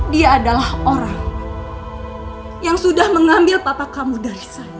dia adalah orang yang sudah mengambil papa kamu dari saya